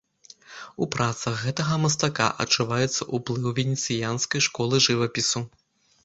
У працах гэтага мастака адчуваецца ўплыў венецыянскай школы жывапісу.